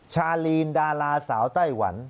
ชาลีนดาราสาวไต้หวัน